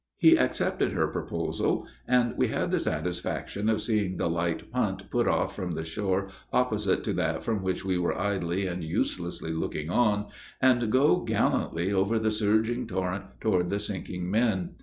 He accepted her proposal, and we had the satisfaction of seeing the light punt put off from the shore opposite to that from which we were idly and uselessly looking on, and go gallantly over the surging torrent toward the sinking men.